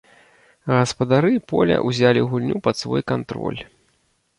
Гаспадары поля ўзялі гульню пад свой кантроль.